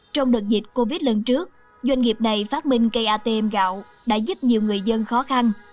trong đợt dịch covid lần trước doanh nghiệp này phát minh cây atm gạo đã giúp nhiều người dân khó khăn